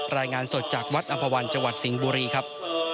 รายงานสดจากวัดอัมพวันจสิงห์บุรีครับ